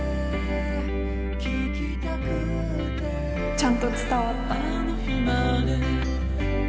ちゃんと伝わった。